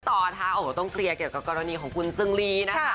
ต่อนะคะโอ้โหต้องเคลียร์เกี่ยวกับกรณีของคุณซึงลีนะคะ